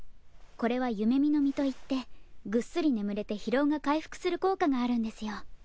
これは夢見の実といってぐっすり眠れて疲労が回復する効果があるんですよ。